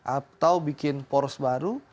atau bikin poros baru